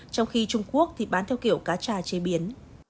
trong khi trung quốc thì bán theo kiểu cà cha chế biến